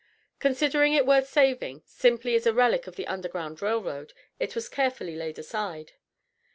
Considering it worth saving simply as a relic of the Underground Rail Road, it was carefully laid aside.